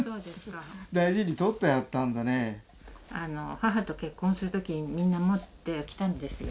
母と結婚する時にみんな持ってきたんですよ。